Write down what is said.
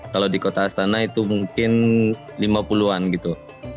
kalau di kota astana itu mungkin lima puluh an gitu